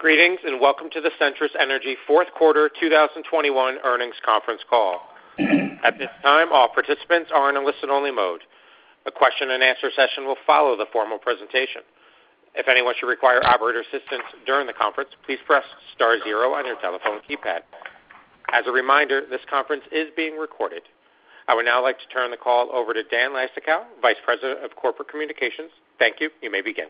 Greetings, and welcome to the Centrus Energy Fourth Quarter 2021 Earnings Conference Call. At this time, all participants are in a listen only mode. A question and answer session will follow the formal presentation. If anyone should require operator assistance during the conference, please press star zero on your telephone keypad. As a reminder, this conference is being recorded. I would now like to turn the call over to Dan Leistikow, Vice President of Corporate Communications. Thank you. You may begin.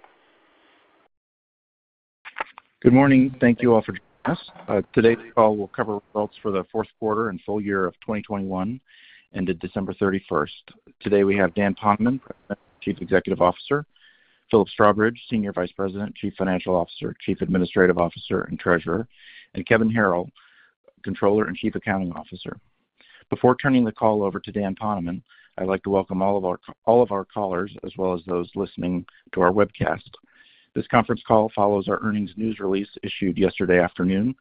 Good morning. Thank you all for joining us. Today's call will cover results for the fourth quarter and full year of 2021 ended December 31st. Today, we have Dan Poneman, President and Chief Executive Officer, Philip Strawbridge, Senior Vice President, Chief Financial Officer, Chief Administrative Officer, and Treasurer, and Kevin Harrill, Controller and Chief Accounting Officer. Before turning the call over to Dan Poneman, I'd like to welcome all of our callers as well as those listening to our webcast. This conference call follows our earnings news release issued yesterday afternoon.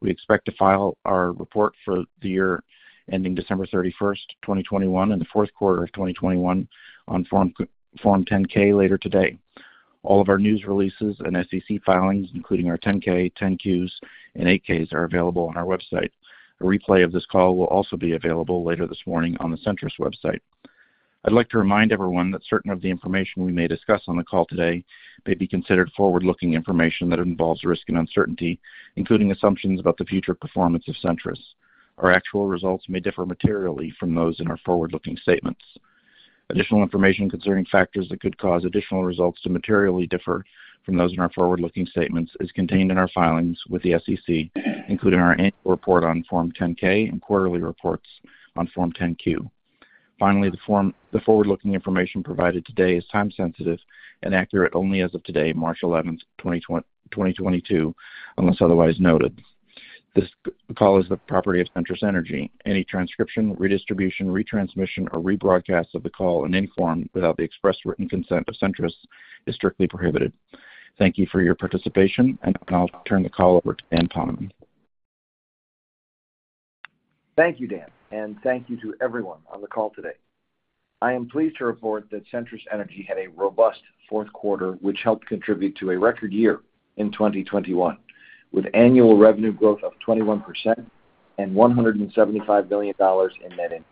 We expect to file our report for the year ending December 31st, 2021, and the fourth quarter of 2021 on Form 10-K later today. All of our news releases and SEC filings, including our 10-K, 10-Qs, and 8-Ks are available on our website. A replay of this call will also be available later this morning on the Centrus website. I'd like to remind everyone that certain of the information we may discuss on the call today may be considered forward-looking information that involves risk and uncertainty, including assumptions about the future performance of Centrus. Our actual results may differ materially from those in our forward-looking statements. Additional information concerning factors that could cause additional results to materially differ from those in our forward-looking statements is contained in our filings with the SEC, including our annual report on Form 10-K and quarterly reports on Form 10-Q. Finally, the forward-looking information provided today is time sensitive and accurate only as of today, March 11th, 2022, unless otherwise noted. This call is the property of Centrus Energy. Any transcription, redistribution, retransmission, or rebroadcast of the call in any form without the express written consent of Centrus is strictly prohibited. Thank you for your participation, and I'll turn the call over to Dan Poneman. Thank you, Dan, and thank you to everyone on the call today. I am pleased to report that Centrus Energy had a robust fourth quarter, which helped contribute to a record year in 2021, with annual revenue growth of 21% and $175 million in net income.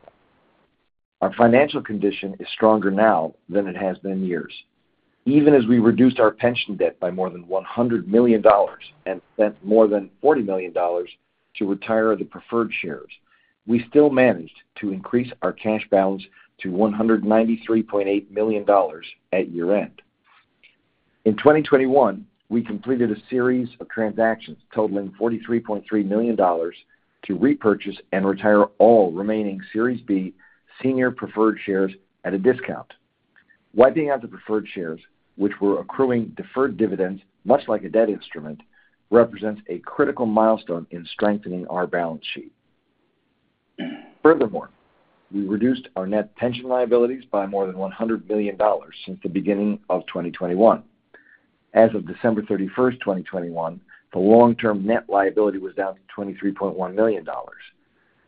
Our financial condition is stronger now than it has been in years. Even as we reduced our pension debt by more than $100 million and spent more than $40 million to retire the preferred shares, we still managed to increase our cash balance to $193.8 million at year-end. In 2021, we completed a series of transactions totaling $43.3 million to repurchase and retire all remaining Series B Senior Preferred Shares at a discount. Wiping out the preferred shares which were accruing deferred dividends, much like a debt instrument, represents a critical milestone in strengthening our balance sheet. Furthermore, we reduced our net pension liabilities by more than $100 million since the beginning of 2021. As of December 31st, 2021, the long-term net liability was down to $23.1 million.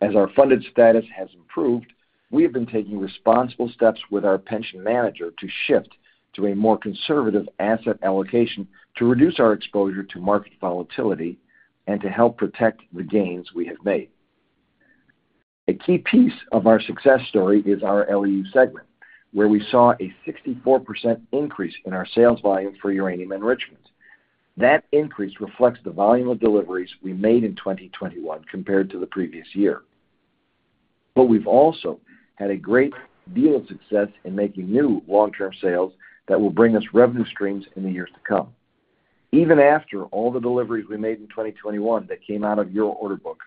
As our funded status has improved, we have been taking responsible steps with our pension manager to shift to a more conservative asset allocation to reduce our exposure to market volatility and to help protect the gains we have made. A key piece of our success story is our LEU segment, where we saw a 64% increase in our sales volume for uranium enrichments. That increase reflects the volume of deliveries we made in 2021 compared to the previous year. We've also had a great deal of success in making new long-term sales that will bring us revenue streams in the years to come. Even after all the deliveries we made in 2021 that came out of your order book,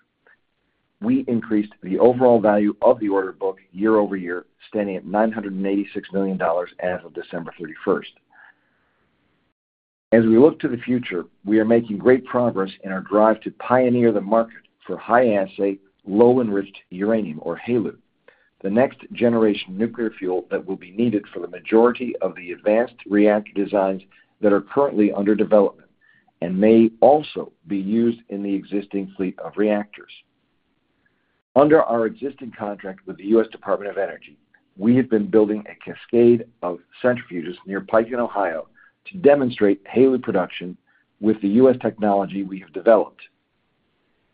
we increased the overall value of the order book year-over-year, standing at $986 million as of December 31st. As we look to the future, we are making great progress in our drive to pioneer the market for high-assay low-enriched uranium or HALEU, the next generation nuclear fuel that will be needed for the majority of the advanced reactor designs that are currently under development and may also be used in the existing fleet of reactors. Under our existing contract with the U.S. Department of Energy, we have been building a cascade of centrifuges near Piketon, Ohio, to demonstrate HALEU production with the U.S. technology we have developed.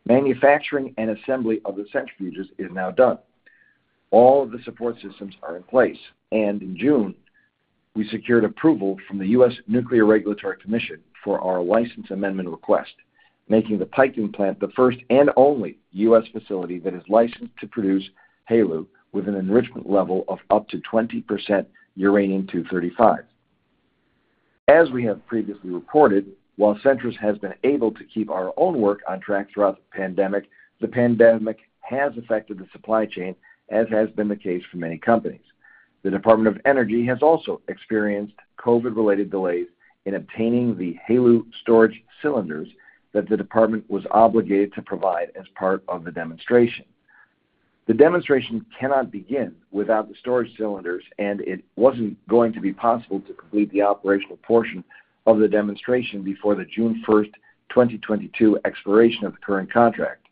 Manufacturing and assembly of the centrifuges is now done. All of the support systems are in place, and in June, we secured approval from the U.S. Nuclear Regulatory Commission for our license amendment request, making the Piketon plant the first and only U.S. facility that is licensed to produce HALEU with an enrichment level of up to 20% uranium-235. As we have previously reported, while Centrus has been able to keep our own work on track throughout the pandemic, the pandemic has affected the supply chain, as has been the case for many companies. The Department of Energy has also experienced COVID-related delays in obtaining the HALEU storage cylinders that the department was obligated to provide as part of the demonstration. The demonstration cannot begin without the storage cylinders, and it wasn't going to be possible to complete the operational portion of the demonstration before the June 1st, 2022 expiration of the current contract.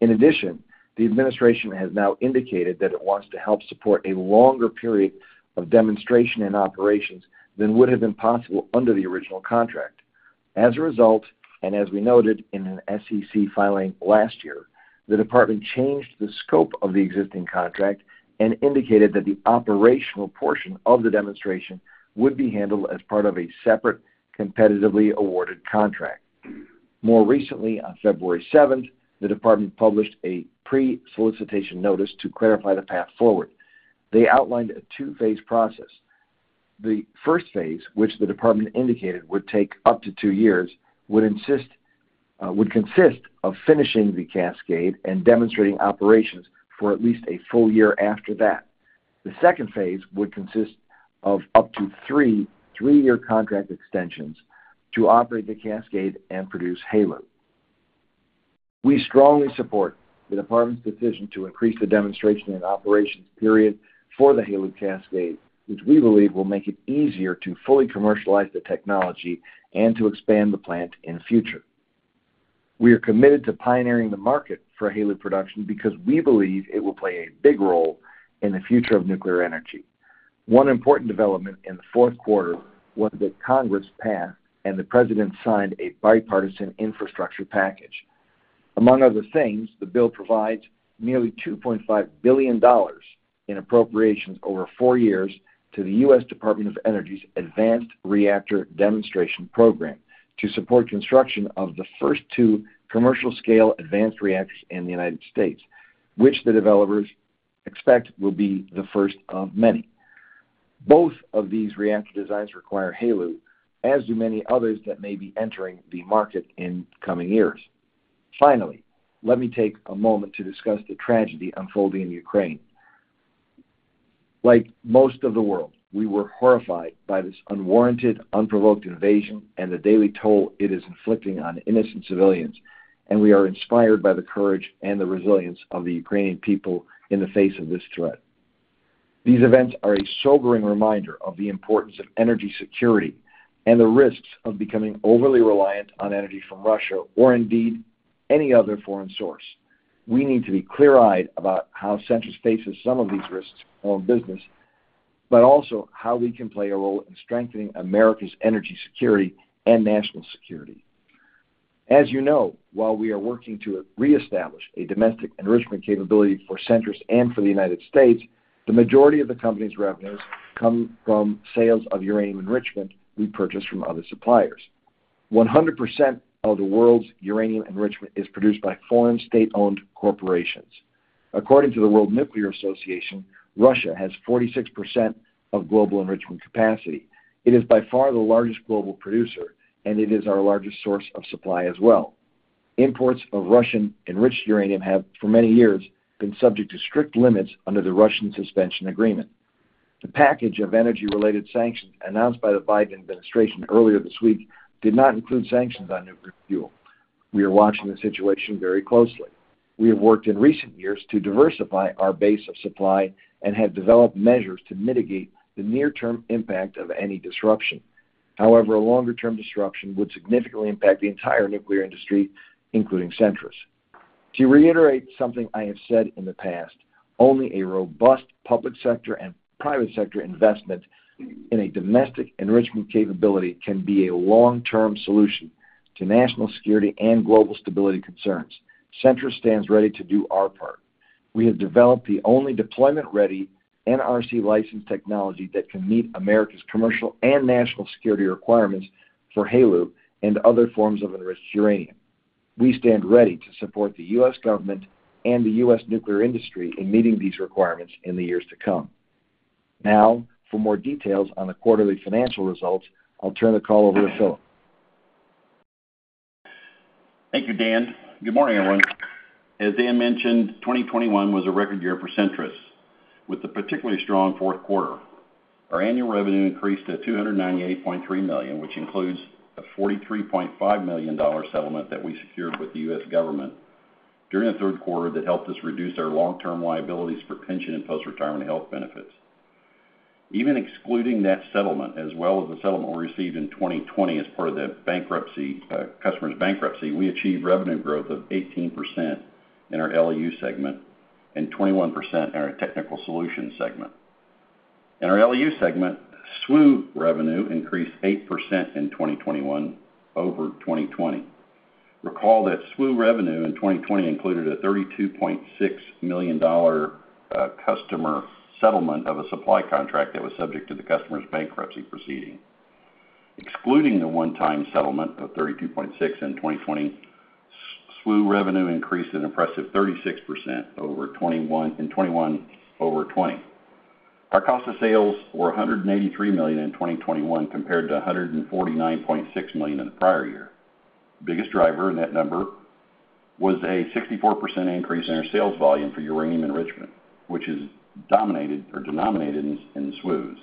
In addition, the administration has now indicated that it wants to help support a longer period of demonstration and operations than would have been possible under the original contract. As a result, and as we noted in an SEC filing last year, the department changed the scope of the existing contract and indicated that the operational portion of the demonstration would be handled as part of a separate, competitively awarded contract. More recently, on February 7th, the department published a pre-solicitation notice to clarify the path forward. They outlined a 2-phase process. The first phase, which the department indicated would take up to two years, would consist of finishing the Cascade and demonstrating operations for at least a full year after that. The second phase would consist of up to three-year contract extensions to operate the Cascade and produce HALEU. We strongly support the department's decision to increase the demonstration and operations period for the HALEU Cascade, which we believe will make it easier to fully commercialize the technology and to expand the plant in future. We are committed to pioneering the market for HALEU production because we believe it will play a big role in the future of nuclear energy. One important development in the fourth quarter was that Congress passed and the President signed a bipartisan infrastructure package. Among other things, the bill provides nearly $2.5 billion in appropriations over four years to the U.S. Department of Energy's Advanced Reactor Demonstration Program to support construction of the first two commercial-scale advanced reactors in the United States, which the developers expect will be the first of many. Both of these reactor designs require HALEU, as do many others that may be entering the market in coming years. Finally, let me take a moment to discuss the tragedy unfolding in Ukraine. Like most of the world, we were horrified by this unwarranted, unprovoked invasion and the daily toll it is inflicting on innocent civilians, and we are inspired by the courage and the resilience of the Ukrainian people in the face of this threat. These events are a sobering reminder of the importance of energy security and the risks of becoming overly reliant on energy from Russia, or indeed, any other foreign source. We need to be clear-eyed about how Centrus faces some of these risks in our own business, but also how we can play a role in strengthening America's energy security and national security. As you know, while we are working to reestablish a domestic enrichment capability for Centrus and for the United States, the majority of the company's revenues come from sales of uranium enrichment we purchase from other suppliers. 100% of the world's uranium enrichment is produced by foreign state-owned corporations. According to the World Nuclear Association, Russia has 46% of global enrichment capacity. It is by far the largest global producer, and it is our largest source of supply as well. Imports of Russian-enriched uranium have, for many years, been subject to strict limits under the Russian Suspension Agreement. The package of energy-related sanctions announced by the Biden administration earlier this week did not include sanctions on nuclear fuel. We are watching the situation very closely. We have worked in recent years to diversify our base of supply and have developed measures to mitigate the near-term impact of any disruption. However, a longer-term disruption would significantly impact the entire nuclear industry, including Centrus. To reiterate something I have said in the past, only a robust public sector and private sector investment in a domestic enrichment capability can be a long-term solution to national security and global stability concerns. Centrus stands ready to do our part. We have developed the only deployment-ready NRC licensed technology that can meet America's commercial and national security requirements for HALEU and other forms of enriched uranium. We stand ready to support the U.S. government and the U.S. nuclear industry in meeting these requirements in the years to come. Now, for more details on the quarterly financial results, I'll turn the call over to Philip. Thank you, Dan. Good morning, everyone. As Dan mentioned, 2021 was a record year for Centrus, with a particularly strong fourth quarter. Our annual revenue increased to $298.3 million, which includes a $43.5 million settlement that we secured with the U.S. government during the third quarter that helped us reduce our long-term liabilities for pension and post-retirement health benefits. Even excluding that settlement, as well as the settlement we received in 2020 as part of the customer's bankruptcy, we achieved revenue growth of 18% in our LEU segment and 21% in our Technical Solutions segment. In our LEU segment, SWU revenue increased 8% in 2021 over 2020. Recall that SWU revenue in 2020 included a $32.6 million customer settlement of a supply contract that was subject to the customer's bankruptcy proceeding. Excluding the one-time settlement of $32.6 million in 2020, SWU revenue increased an impressive 36% in 2021 over 2020. Our cost of sales were $183 million in 2021 compared to $149.6 million in the prior year. The biggest driver of that number was a 64% increase in our sales volume for uranium enrichment, which is dominated or denominated in SWUs.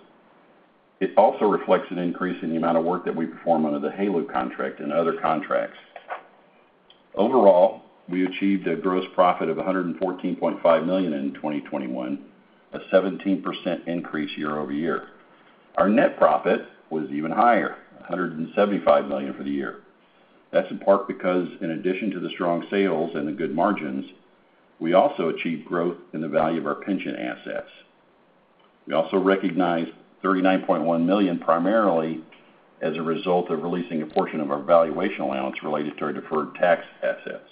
It also reflects an increase in the amount of work that we perform under the HALEU contract and other contracts. Overall, we achieved a gross profit of $114.5 million in 2021, a 17% increase year-over-year. Our net profit was even higher, $175 million for the year. That's in part because in addition to the strong sales and the good margins, we also achieved growth in the value of our pension assets. We also recognized $39.1 million, primarily as a result of releasing a portion of our valuation allowance related to our deferred tax assets.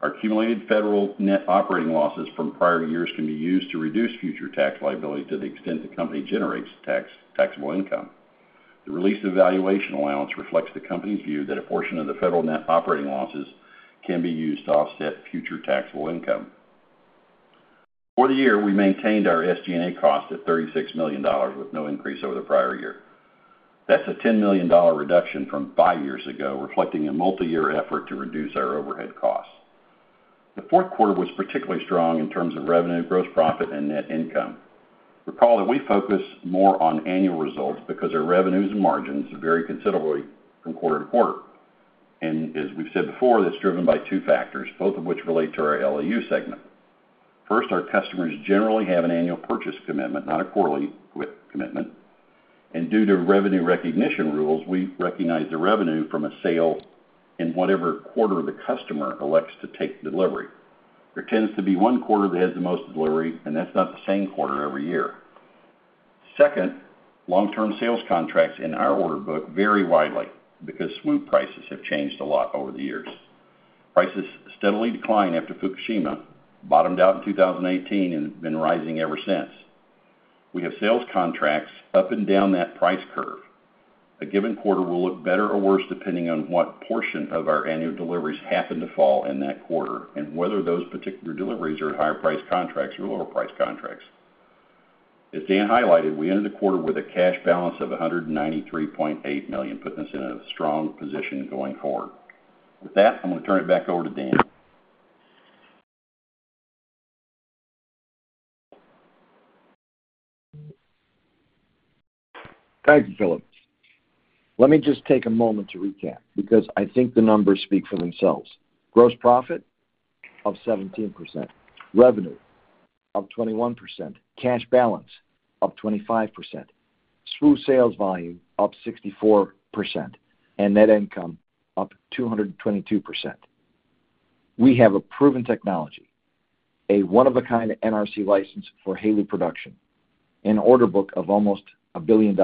Our accumulated federal net operating losses from prior years can be used to reduce future tax liability to the extent the company generates taxable income. The release of valuation allowance reflects the company's view that a portion of the federal net operating losses can be used to offset future taxable income. For the year, we maintained our SG&A costs at $36 million with no increase over the prior year. That's a $10 million reduction from five years ago, reflecting a multi-year effort to reduce our overhead costs. The fourth quarter was particularly strong in terms of revenue, gross profit, and net income. Recall that we focus more on annual results because our revenues and margins vary considerably from quarter to quarter. As we've said before, that's driven by two factors, both of which relate to our LEU segment. First, our customers generally have an annual purchase commitment, not a quarterly commitment. Due to revenue recognition rules, we recognize the revenue from a sale in whatever quarter the customer elects to take delivery. There tends to be one quarter that has the most delivery, and that's not the same quarter every year. Second, long-term sales contracts in our order book vary widely because SWU prices have changed a lot over the years. Prices steadily declined after Fukushima, bottomed out in 2018, and have been rising ever since. We have sales contracts up and down that price curve. A given quarter will look better or worse depending on what portion of our annual deliveries happen to fall in that quarter and whether those particular deliveries are at higher price contracts or lower price contracts. As Dan highlighted, we ended the quarter with a cash balance of $193.8 million, putting us in a strong position going forward. With that, I'm going to turn it back over to Dan. Thank you, Philip. Let me just take a moment to recap because I think the numbers speak for themselves. Gross profit, up 17%. Revenue, up 21%. Cash balance, up 25%. SWU sales volume, up 64%. And net income, up 222%. We have a proven technology, a one of a kind NRC license for HALEU production, an order book of almost $1 billion,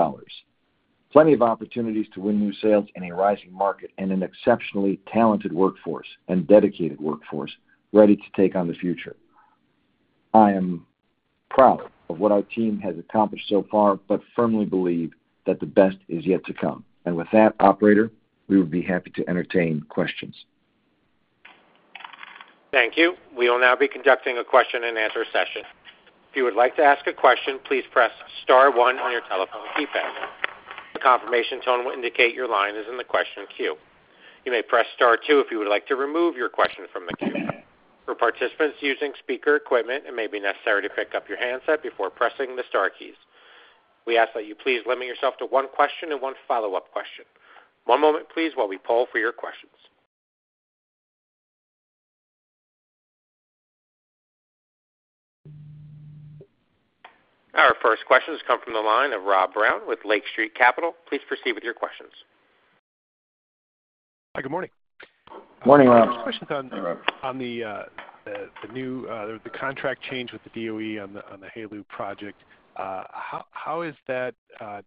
plenty of opportunities to win new sales in a rising market, and an exceptionally talented workforce and dedicated workforce ready to take on the future. I am proud of what our team has accomplished so far, but firmly believe that the best is yet to come. With that, operator, we would be happy to entertain questions. Thank you. We will now be conducting a question and answer session. If you would like to ask a question, please press star one on your telephone keypad. A confirmation tone will indicate your line is in the question queue. You may press star two if you would like to remove your question from the queue. For participants using speaker equipment, it may be necessary to pick up your handset before pressing the star keys. We ask that you please limit yourself to one question and one follow-up question. One moment, please, while we poll for your questions. Our first question has come from the line of Rob Brown with Lake Street Capital Markets. Please proceed with your questions. Hi, good morning. Morning, Rob. Hi, Rob. Just questions on the new contract change with the DOE on the HALEU project. How is that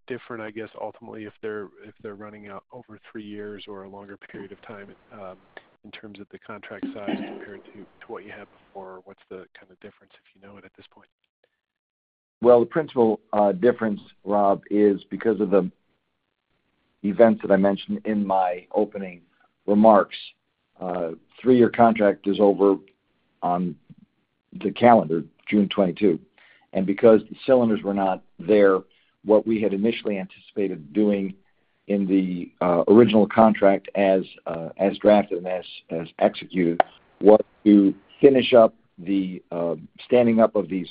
different, I guess, ultimately, if they're running out over three years or a longer period of time, in terms of the contract size compared to what you had before? What's the kind of difference, if you know it at this point? Well, the principal difference, Rob, is because of the events that I mentioned in my opening remarks. Three-year contract is over on the calendar June 2022. Because the cylinders were not there, what we had initially anticipated doing in the original contract as drafted and as executed was to finish up the standing up of these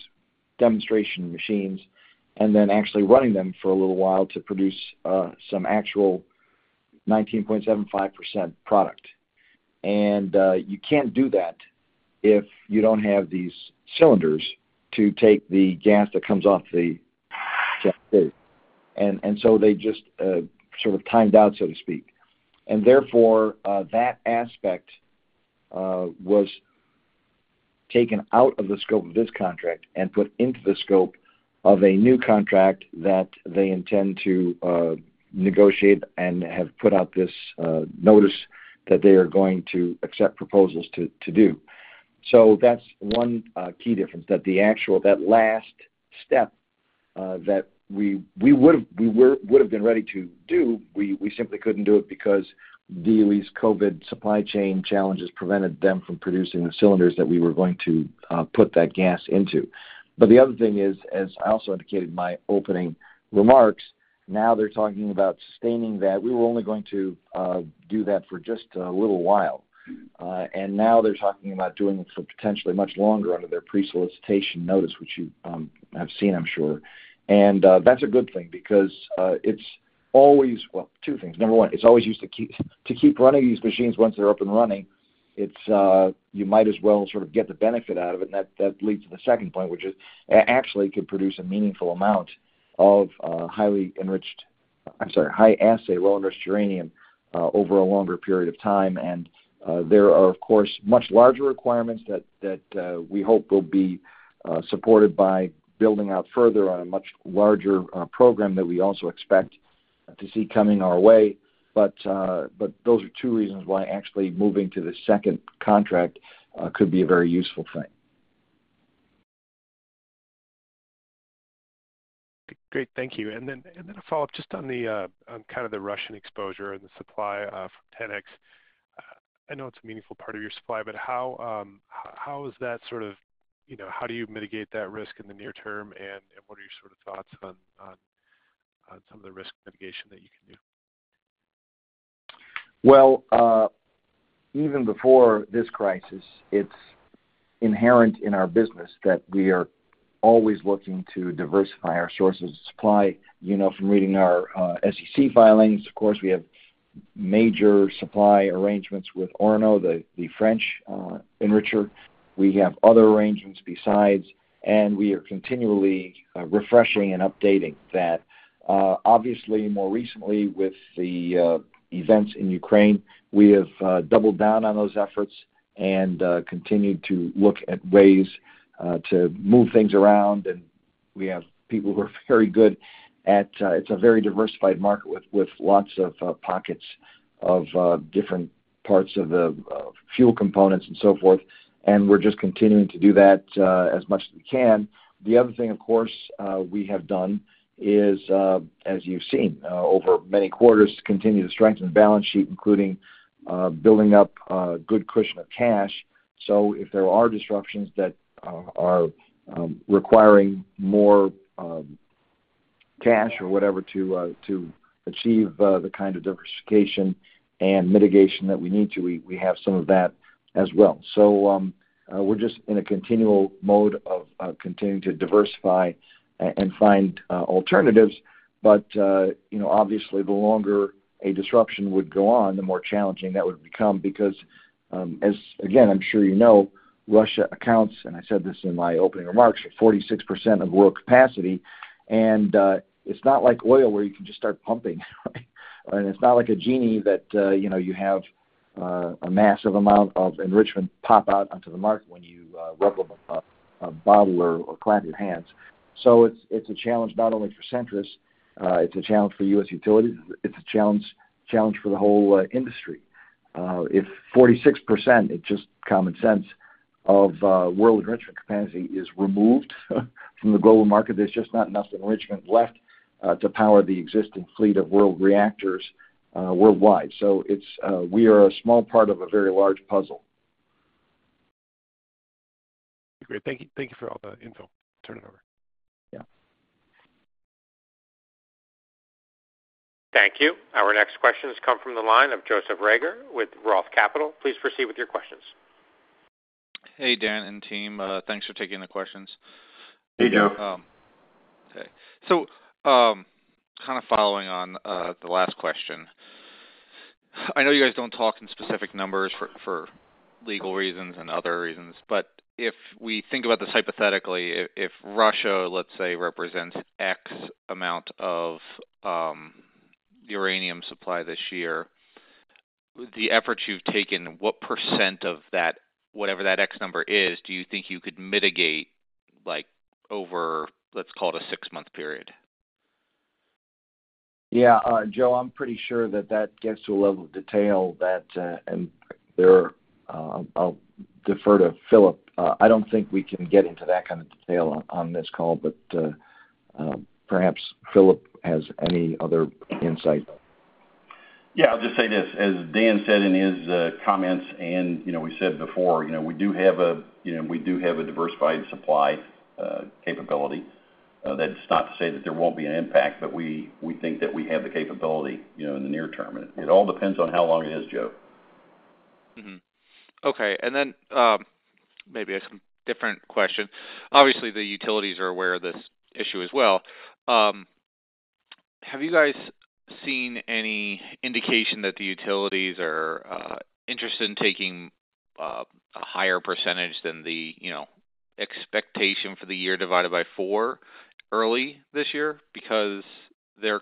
demonstration machines and then actually running them for a little while to produce some actual 19.75% product. You can't do that if you don't have these cylinders to take the gas that comes off the end, and so they just sort of timed out, so to speak. Therefore, that aspect was taken out of the scope of this contract and put into the scope of a new contract that they intend to negotiate and have put out this notice that they are going to accept proposals to do. That's one key difference, that the last step that we would've been ready to do, we simply couldn't do it because DOE's COVID supply chain challenges prevented them from producing the cylinders that we were going to put that gas into. The other thing is, as I also indicated in my opening remarks, now they're talking about sustaining that. We were only going to do that for just a little while. Now they're talking about doing it for potentially much longer under their pre-solicitation notice, which you have seen, I'm sure. That's a good thing because it's always. Well, two things. Number one, it's always used to keep running these machines once they're up and running. You might as well sort of get the benefit out of it. That leads to the second point, which is actually it could produce a meaningful amount of highly enriched. I'm sorry, high-assay low-enriched uranium over a longer period of time. There are, of course, much larger requirements that we hope will be supported by building out further on a much larger program that we also expect to see coming our way. Those are two reasons why actually moving to the second contract could be a very useful thing. Great. Thank you. A follow-up just on the on kind of the Russian exposure and the supply from TENEX. I know it's a meaningful part of your supply, but how is that sort of, you know, how do you mitigate that risk in the near term? What are your sort of thoughts on some of the risk mitigation that you can do? Well, even before this crisis, it's inherent in our business that we are always looking to diversify our sources of supply. You know, from reading our SEC filings, of course, we have major supply arrangements with Orano, the French enricher. We have other arrangements besides, and we are continually refreshing and updating that. Obviously more recently with the events in Ukraine, we have doubled down on those efforts and continued to look at ways to move things around. It's a very diversified market with lots of pockets of different parts of fuel components and so forth. We're just continuing to do that, as much as we can. The other thing, of course, we have done is, as you've seen, over many quarters, continue to strengthen the balance sheet, including building up a good cushion of cash. If there are disruptions that are requiring more cash or whatever to achieve the kind of diversification and mitigation that we need to, we have some of that as well. We're just in a continual mode of continuing to diversify and find alternatives. You know, obviously the longer a disruption would go on, the more challenging that would become because, as again, I'm sure you know, Russia accounts, and I said this in my opening remarks, 46% of world capacity. It's not like oil where you can just start pumping, right? It's not like a genie that, you know, you have a massive amount of enrichment pop out onto the market when you rub a bottle or clap your hands. It's a challenge not only for Centrus, it's a challenge for U.S. utilities, it's a challenge for the whole industry. If 46%, it's just common sense, of world enrichment capacity is removed from the global market, there's just not enough enrichment left to power the existing fleet of world reactors worldwide. It's we are a small part of a very large puzzle. Great. Thank you. Thank you for all the info. Turn it over. Yeah. Thank you. Our next question has come from the line of Joseph Reagor with ROTH Capital. Please proceed with your questions. Hey, Dan and team. Thanks for taking the questions. Hey, Joe. Okay. Kind of following on the last question. I know you guys don't talk in specific numbers for legal reasons and other reasons, but if we think about this hypothetically, if Russia, let's say, represents X amount of uranium supply this year, the efforts you've taken, what percent of that, whatever that X number is, do you think you could mitigate like over, let's call it a six-month period? Yeah. Joe, I'm pretty sure that gets to a level of detail that I'll defer to Philip. I don't think we can get into that kind of detail on this call, but perhaps Philip has any other insight. Yeah. I'll just say this, as Dan said in his comments and, you know, we said before, you know, we do have a diversified supply capability. That's not to say that there won't be an impact, but we think that we have the capability, you know, in the near term. It all depends on how long it is, Joe. Mm-hmm. Okay. Maybe some different question. Obviously, the utilities are aware of this issue as well. Have you guys seen any indication that the utilities are interested in taking a higher percentage than the, you know, expectation for the year divided by four early this year because they're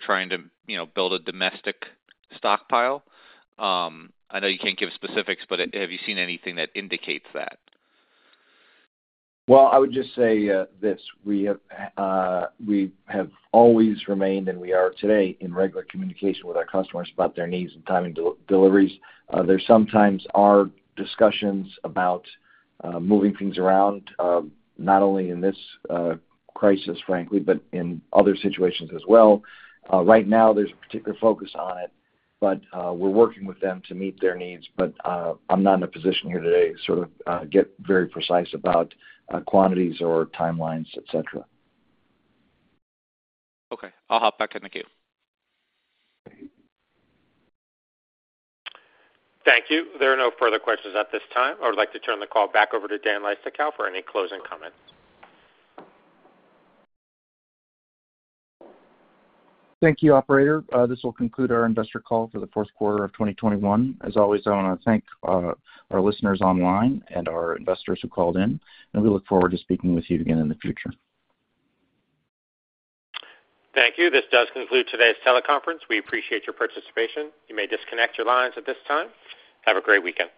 trying to, you know, build a domestic stockpile? I know you can't give specifics, but have you seen anything that indicates that? Well, I would just say, we have always remained, and we are today in regular communication with our customers about their needs and timing deliveries. There sometimes are discussions about moving things around, not only in this crisis, frankly, but in other situations as well. Right now there's a particular focus on it, but we're working with them to meet their needs. I'm not in a position here today to sort of get very precise about quantities or timelines, et cetera. Okay. I'll hop back in the queue. Thank you. There are no further questions at this time. I would like to turn the call back over to Dan Leistikow for any closing comments. Thank you, operator. This will conclude our investor call for the first quarter of 2021. As always, I wanna thank our listeners online and our investors who called in, and we look forward to speaking with you again in the future. Thank you. This does conclude today's teleconference. We appreciate your participation. You may disconnect your lines at this time. Have a great weekend.